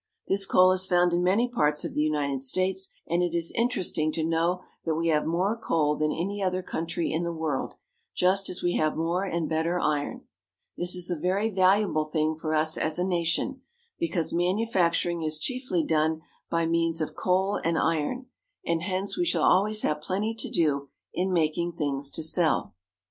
This coal is found in many parts of the United States ; and it is interesting to know that we have more coal than any other country in the world, just as we have more and better iron. This is a very valuable thing for us as a nation, because manufacturing is chiefly done by means of coal and iron, and hence we shall always have plenty to do in making things to sell.